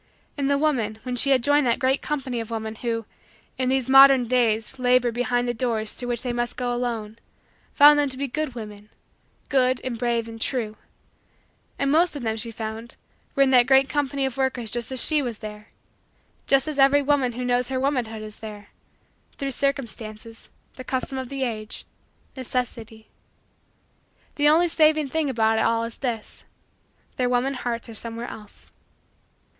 And the woman when she had joined that great company of women, who, in these modern days labor behind the doors through which they must go alone, found them to be good women good and brave and true. And most of them, she found, were in that great company of workers just as she was there just as every woman who knows her womanhood is there through circumstances, the custom of the age, necessity. The only saving thing about it all is this: their woman hearts are somewhere else.